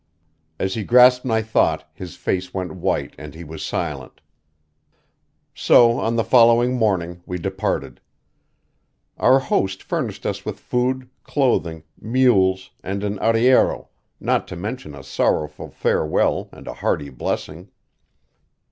As he grasped my thought his face went white and he was silent. So on the following morning we departed. Our host furnished us with food, clothing, mules, and an arriero, not to mention a sorrowful farewell and a hearty blessing.